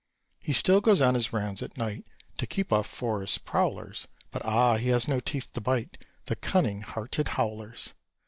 He still goes on his rounds at night To keep off forest prowlers; But, ah! he has no teeth to bite The cunning hearted howlers.